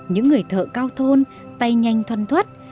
những người thợ cao thôn tay nhanh thoan thoát